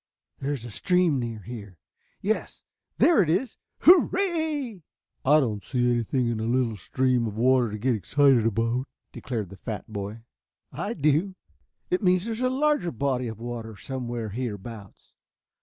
There is a stream near here. Yes, there it is. Hurrah!" "I don't see anything in a little stream of water to get excited about," declared the fat boy. "I do. It means there is a larger body of water somewhere hereabouts.